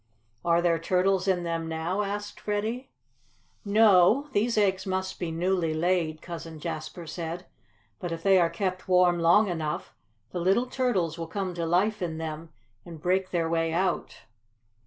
"Are there turtles in them now?" asked Freddie. "No, these eggs must be newly laid," Cousin Jasper said. "But if they are kept warm long enough the little turtles will come to life in them and break their way out.